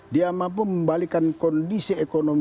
dia mampu membalikan kondisi ekonomi